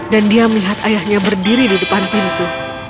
dan dia melihat ayahnya berdiri di depan pintu